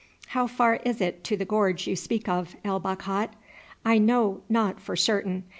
"How far is it to the gorge you speak of, El Bakhat?" "I know not for certain.